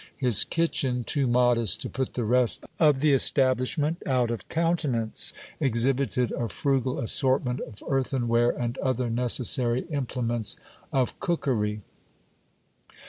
His kitchen, too modest to put the rest of the establishment out of countenance, exhibited a frugal assort ment of earthenware and other necessary implements of cookery.